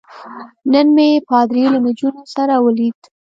نن مې پادري له نجونو سره ولید.